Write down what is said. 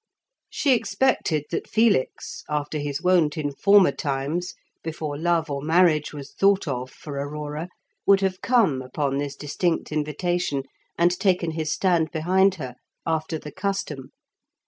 She expected that Felix (after his wont in former times, before love or marriage was thought of for Aurora) would have come upon this distinct invitation, and taken his stand behind her, after the custom.